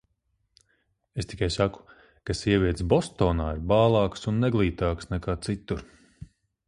Es tikai saku, ka sievietes Bostonā ir bālākas un neglītākas nekā citur.